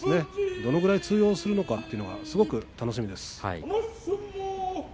どのくらい通用するのかというのが、すごく楽しみです。